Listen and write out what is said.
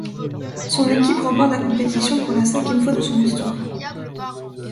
Son équipe remporte la compétition pour la cinquième fois de son histoire.